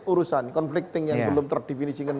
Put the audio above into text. urusan conflicting yang belum terdefinisikan